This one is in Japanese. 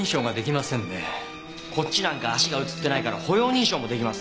こっちなんか足が映ってないから歩容認証も出来ません。